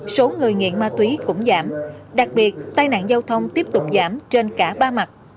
số người nghiện ma túy cũng giảm đặc biệt tai nạn giao thông tiếp tục giảm trên cả ba mặt